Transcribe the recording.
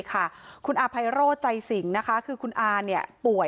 ค่ะอาภัยโรใจสหญิงนะคะคือคุณอานเนี่ยป่วย